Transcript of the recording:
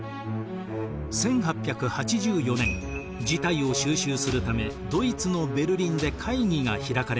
１８８４年事態を収拾するためドイツのベルリンで会議が開かれました。